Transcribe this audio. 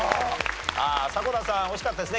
ああ迫田さん惜しかったですね。